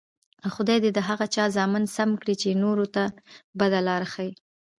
خدای دې د هغه چا زامن سم کړي، چې نورو ته بده لار ښیي.